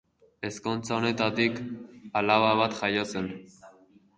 Ezkontza honetatik alaba bat jaio zen.